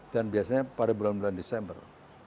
dan biasanya pada bulan bulan desember